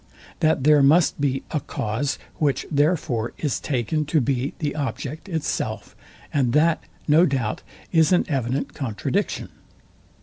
that there must be a cause; which therefore is taken to be the object itself; and that, no doubt, is an evident contradiction.